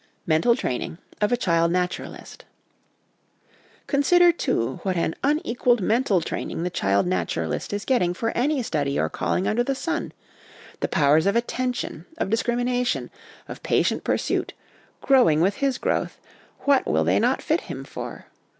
Mental Training of a Child Naturalist. Con sider, too, what an unequalled mental training the child naturalist is getting for any study or calling under the sun the powers of attention, of discrimi nation, of patient pursuit, growing with his growth, what will they not fit him for?